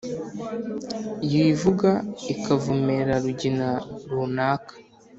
yivuga ikavumera rugina runaka.